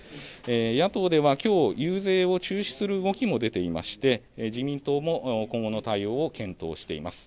野党ではきょう、遊説を中止する動きも出ていまして自民党も今後の対応を検討しています。